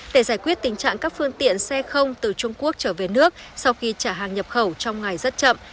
để giải quyết tình trạng các phương tiện xe không từ trung quốc trở về nước sau khi trả hàng nhập khẩu trong ngày rất chậm